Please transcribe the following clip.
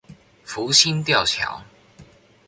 福興吊橋